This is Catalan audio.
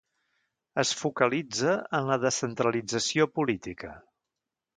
Es focalitza en la descentralització política.